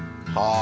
あ。